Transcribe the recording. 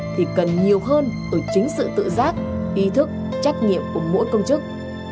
thì cần nhiều hơn ở chính sự tự giác ý thức trách nhiệm của mỗi công chức